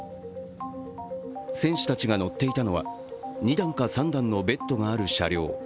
選手たちが乗っていたのは２段か３段のベッドがある車両。